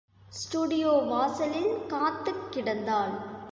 Studio வாசிலில் காத்துக் கிடந்தாள்.